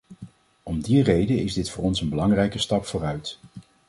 Om die reden is dit voor ons een belangrijke stap vooruit.